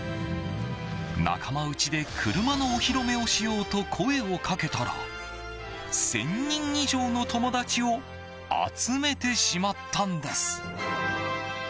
仲間内で車のお披露目をしようと声をかけたら１０００人以上の友達を集めてしまったんです。